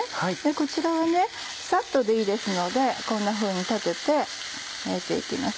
こちらをサッとでいいですのでこんなふうに立てて焼いていきます。